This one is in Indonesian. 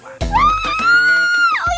oh ya kalah